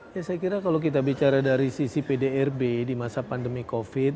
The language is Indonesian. ya saya kira kalau kita bicara dari sisi pdrb di masa pandemi covid